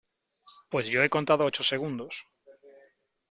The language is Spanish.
pues yo he contado ocho segundos .